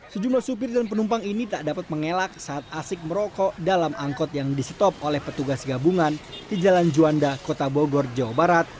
sejumlah supir dan penumpang ini tak dapat mengelak saat asik merokok dalam angkot yang disetop oleh petugas gabungan di jalan juanda kota bogor jawa barat